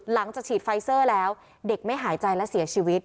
หลังจากฉีดไฟเซอร์แล้วเด็กไม่หายใจและเสียชีวิต